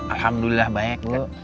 alhamdulillah baik bu